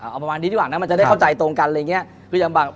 เอาประมาณนี้ดีกว่านะมันจะได้เข้าใจตรงกันอะไรอย่างนี้